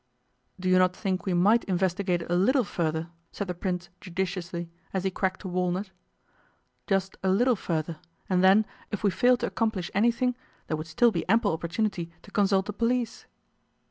'Do you not think we might investigate a little further,' said the Prince judiciously, as he cracked a walnut, 'just a little further and then, if we fail to accomplish anything, there would still be ample opportunity to consult the police?